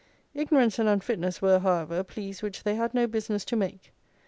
Ignorance and unfitness were, however, pleas which they had no business to make.